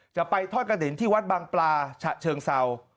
จะไปทอดกระถิ่นที่วัดบางปลาฉะเชิงเศร้า